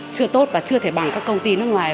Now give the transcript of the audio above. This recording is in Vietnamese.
chưa tốt và chưa thể bằng các công ty nước ngoài